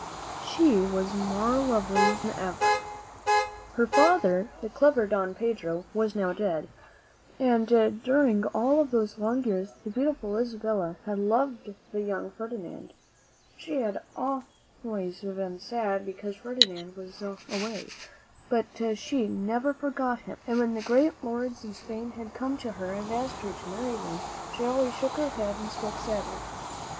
She was more lovely than ever. Her father, the clever Don Pedro, was now dead, and ISI eQ: vl THE M E N WHO FOUND AMERICA iWO^n^ ■.''•.•.■c: >A. 5^ •:f^/ during all of these long years the beautiful g^^ Isabella had loved the young Ferdinand. She had been very sad because Ferdinand was away, but she never forgot him; and when the great lords of Spain had come to her and asked her to marry them, she always shook her head and spoke sadly.